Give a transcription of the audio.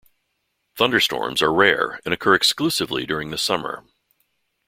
Thunderstorms are rare and occur exclusively during the summer.